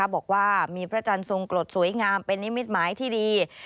บอกว่ามีพระจันทร์ทรงกรดสวยงามเป็นนิมิตหมายที่ดี